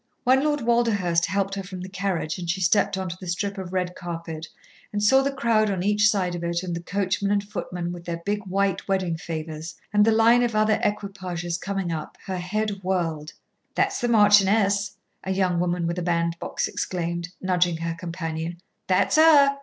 When Lord Walderhurst helped her from the carriage and she stepped on to the strip of red carpet and saw the crowd on each side of it and the coachman and footmen with their big white wedding favours and the line of other equipages coming up, her head whirled. "That's the Marchioness," a young woman with a bandbox exclaimed, nudging her companion. "That's 'er!